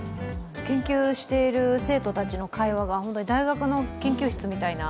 研究している生徒たちの会話が大学の研究室みたいな。